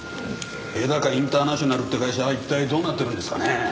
絵高インターナショナルっていう会社は一体どうなってるんですかねえ。